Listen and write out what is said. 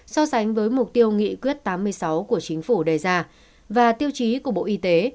so sánh với mục tiêu nghị quyết tám mươi sáu của chính phủ đề ra và tiêu chí của bộ y tế